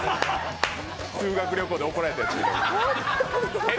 修学旅行で怒られた顔。